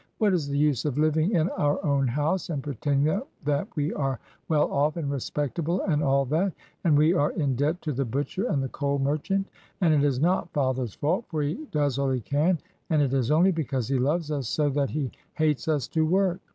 What is the use of living in our own house, and pretending that we are well off and respectable and all that, and we are in debt to the butcher and the coal merchant; and it is not father's fault, for he does all he can, and it is only because he loves us so that he hates us to work."